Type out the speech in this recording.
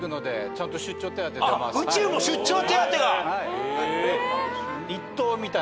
宇宙も出張手当が！